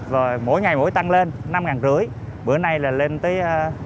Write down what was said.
và mỗi ngày mỗi tăng lên năm năm trăm linh bữa nay là lên tới tám